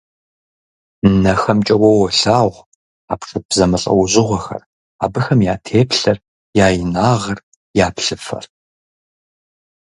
НэхэмкӀэ уэ уолъагъу хьэпшып зэмылӀэужьыгъуэхэр, абыхэм я теплъэр, я инагъыр, я плъыфэр.